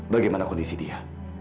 bagaimana kondisi dia